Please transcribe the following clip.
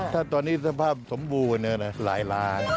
ถ้าตอนนี้สภาพสมบูรณ์หลายล้าน